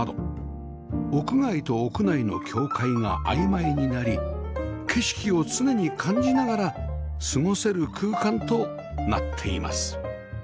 屋外と屋内の境界があいまいになり景色を常に感じながら過ごせる空間となっています